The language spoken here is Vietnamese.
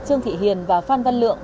trương thị hiền và phan văn lượng